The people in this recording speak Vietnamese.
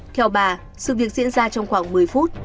theo bà sự việc diễn ra trong khoảng một mươi phút